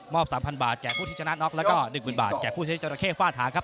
มอบ๓๐๐๐บาทแก่ผู้ที่ชนะน็อคและก็๑๐๐๐๐บาทแก่ผู้ที่เจ้าระเก้ฝ่าถาครับ